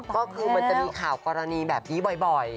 ก็คือมันจะมีข่าวกรณีแบบนี้บ่อย